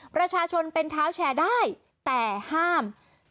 ประชาชนเป็นเท้าแชร์ได้แต่ห้าม